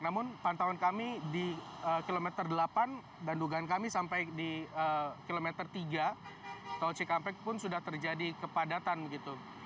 namun pantauan kami di kilometer delapan dan dugaan kami sampai di kilometer tiga tol cikampek pun sudah terjadi kepadatan begitu